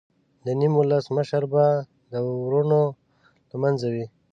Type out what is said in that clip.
د نیم ولس مشر به د ورونو له منځه وي.